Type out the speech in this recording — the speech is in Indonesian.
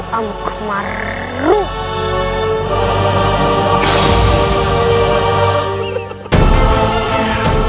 kalau kita pembalasan